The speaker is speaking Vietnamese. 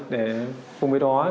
để cùng với đó